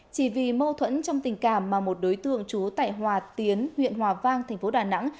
chỉ vì mâu thuẫn trong tình cảm mà một đối tượng trú tại hòa tiến huyện hòa vang thành phố đà nẵng